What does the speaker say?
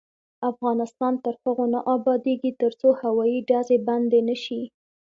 افغانستان تر هغو نه ابادیږي، ترڅو هوایي ډزې بندې نشي.